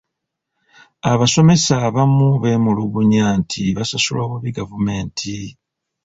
Abasomesa abamu beemulugunya nti basasulwa bubi gavumenti.